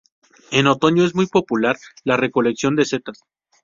En otoño es muy popular la recolección de setas.